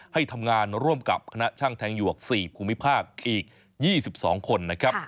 ให้ทำงานร่วมกับคณะช่างแทงหยวก๔ภูมิภาคอีก๒๒คนนะครับ